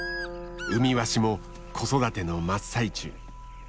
ウミワシも子育ての真っ最中。